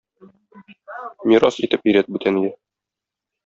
Мирас итеп өйрәт бүтәнгә.